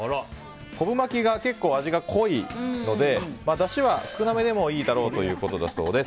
昆布巻きが結構味が濃いのでだしは少なめでもいいだろうということです。